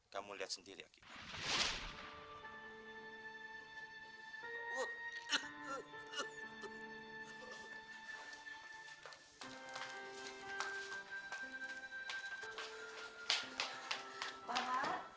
kamu lihat sendiri akibat